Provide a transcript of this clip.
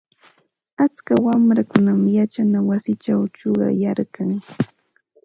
Atska wamrakunam yachana wasichaw chuqayarkan.